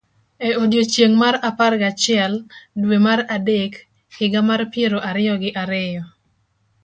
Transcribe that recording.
E odiechieng' mar apar gachiel, dwe mar adek, higa mar piero ariyo gi ariyo,